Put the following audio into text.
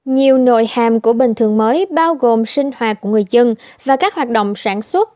nhiều nội hàm của bình thường mới bao gồm sinh hoạt của người dân và các hoạt động sản xuất